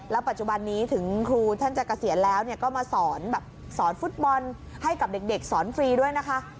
ปัจจุบันนี้ถึงครูท่านจะเกษียณแล้วก็มาสอนแบบสอนฟุตบอลให้กับเด็กสอนฟรีด้วยนะคะ